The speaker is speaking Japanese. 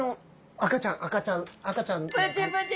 赤ちゃん赤ちゃん赤ちゃん。